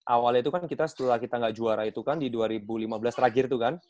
awalnya itu kan kita setelah kita gak juara itu kan di dua ribu lima belas terakhir itu kan